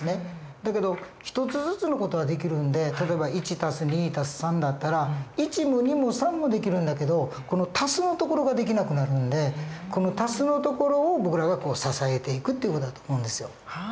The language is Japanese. だけど一つずつの事はできるんで例えば１＋２＋３だったら１も２も３もできるんだけどこの＋のところができなくなるんでこの＋のところを僕らが支えていくっていう事だと思うんですよ。